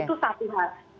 itu satu hal